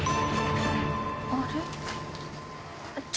あれ？